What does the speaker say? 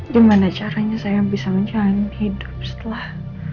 gimana caranya saya bisa menjalani hidup setelah